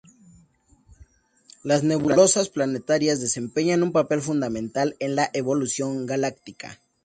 Las nebulosas planetarias desempeñan un papel fundamental en la evolución galáctica.